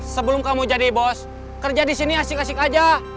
sebelum kamu jadi bos kerja disini asik asik aja